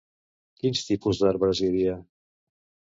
Quins tipus d'arbres hi havia?